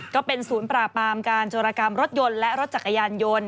ก็เป็นศูนย์ปราบปรามการโจรกรรมรถยนต์และรถจักรยานยนต์